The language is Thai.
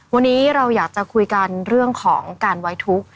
วันนี้เราอยากจะคุยกันเรื่องของการไว้ทุกข์